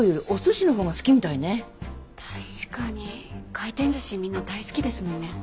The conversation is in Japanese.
回転寿司みんな大好きですもんね。